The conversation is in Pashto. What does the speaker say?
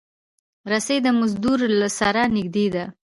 رسۍ د مزدور سره نږدې ده.